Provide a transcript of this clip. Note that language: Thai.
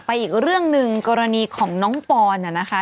อีกเรื่องหนึ่งกรณีของน้องปอนนะคะ